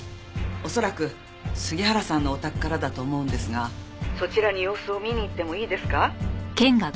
恐らく杉原さんのお宅からだと思うんですがそちらに様子を見に行ってもいいですか？